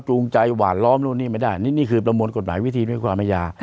จูงใจหวานล้อมนู่นนี่ไม่ได้นี่คือประมวลกฎหมายวิธีด้วยความอาญา